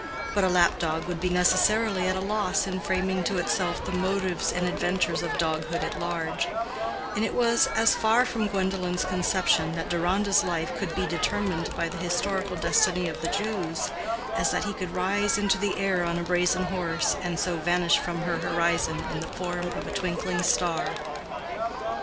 But a lap dog would be necessarily at a loss in framing to itself the motives and adventures of doghood at large; and it was as far from Gwendolen's conception that Deronda's life could be determined by the historical destiny of the Jews, as that he could rise into the air on a brazen horse, and so vanish from her horizon in the form of a twinkling star.